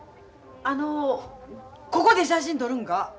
あのここで写真撮るんか？